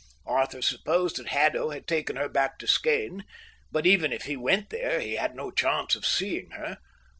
Arthur supposed that Haddo had taken her back to Skene; but, even if he went there, he had no chance of seeing her.